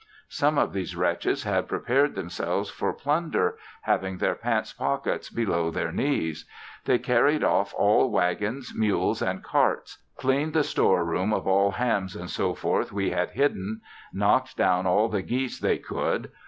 Some of these wretches had prepared themselves for plunder, having their pants' pockets below their knees. They carried off all wagons, mules and carts; cleaned the store room of all hams &c. we had hidden; knocked down all the geese they could.